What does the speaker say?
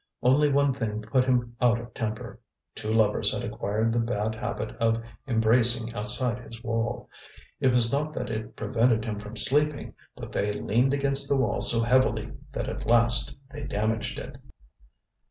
Only one thing put him out of temper: two lovers had acquired the bad habit of embracing outside his wall. It was not that it prevented him from sleeping, but they leaned against the wall so heavily that at last they damaged it.